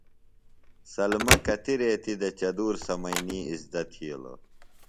سلمہ کتیۡ ریتی دےۡ چدُور سمینیۡ اِزدہ تھِیلوۡ۔